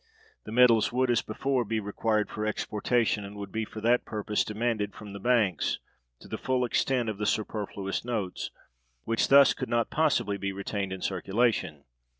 The metals would, as before, be required for exportation, and would be for that purpose demanded from the banks, to the full extent of the superfluous notes, which thus could not possibly be retained in circulation.